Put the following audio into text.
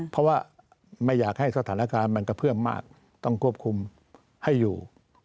เพราะว่าไม่อยากให้สถานการณ์มันกระเพื่อมมากต้องควบคุมให้อยู่